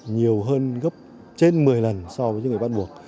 nhiều hơn gấp trên một mươi lần so với những người bắt buộc